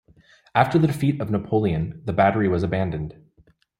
After the defeat of Napoleon the battery was abandoned.